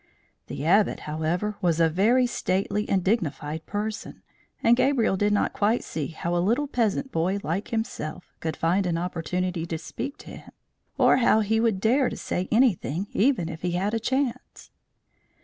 The Abbot, however, was a very stately and dignified person; and Gabriel did not quite see how a little peasant boy like himself could find an opportunity to speak to him, or how he would dare to say anything even if he had a chance.